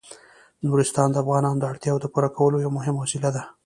نورستان د افغانانو د اړتیاوو د پوره کولو یوه مهمه وسیله ده.